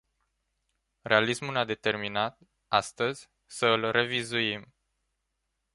Realismul ne-a determinat, astăzi, să îl revizuim.